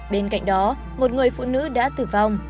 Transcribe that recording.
bên cạnh đó một người phụ nữ đã tử vong